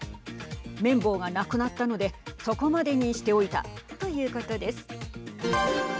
綿棒がなくなったのでそこまでにしておいたということです。